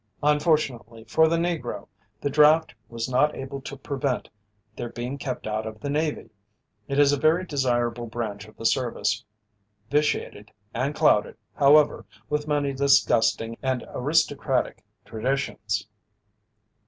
Unfortunately for the Negro, the draft was not able to prevent their being kept out of the Navy. It is a very desirable branch of the service vitiated and clouded, however, with many disgusting and aristocratic traditions.